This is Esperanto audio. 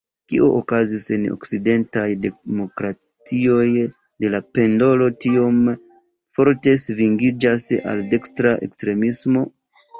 Kio okazis en okcidentaj demokratioj, ke la pendolo tiom forte svingiĝas al dekstra ekstremismo?